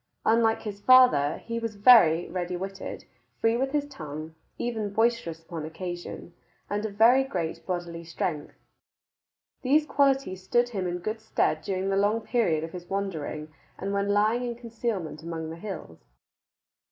Unlike his father, he was very ready witted, free with his tongue, even boisterous upon occasion, and of very great bodily strength. These qualities stood him in good stead during the long period of his wandering and when lying in concealment among the hills.